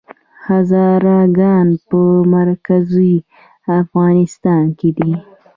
هزاره ګان په مرکزي افغانستان کې دي؟